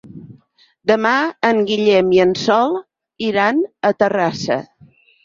Demà en Guillem i en Sol iran a Terrassa.